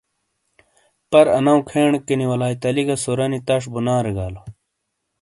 پر آناؤ کھینیکے نی ولایت علی گہ سورانی تَش بونارے گالو۔